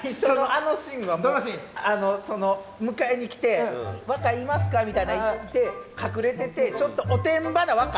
あのその迎えに来て「若いますか？」みたいな言って隠れててちょっとおてんばな若。